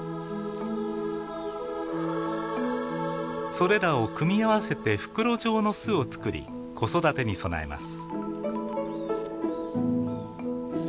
それらを組み合わせて袋状の巣をつくり子育てに備えます。